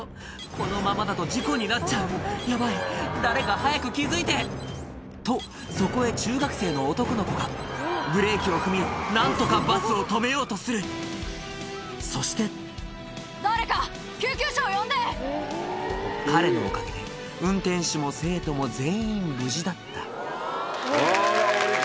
このままだと事故になっちゃうヤバい誰か早く気付いて！とそこへ中学生の男の子がブレーキを踏み何とかバスを止めようとするそして彼のおかげで運転手も生徒も全員無事だったうわお利口！